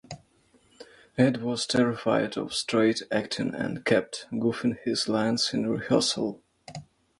Ed was terrified of straight acting and kept goofing his lines in rehearsal.